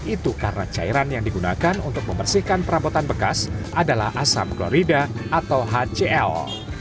itu karena cairan yang digunakan untuk membersihkan perampotan bekas adalah asam glorida atau hcl